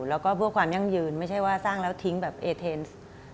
แล้วก็เพื่อความยั่งยืนไม่ใช่ว่าสร้างแล้วทิ้งแบบเอเทนซ์